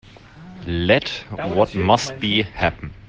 Let what must be, happen.